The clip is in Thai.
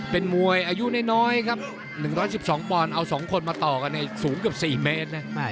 เป็นมวยอายุน้อยครับ๑๑๒ปอนด์เอา๒คนมาต่อกันสูงเกือบ๔เมตรนะ